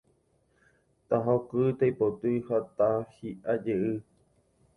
Tahoky, taipoty ha tahi'ajey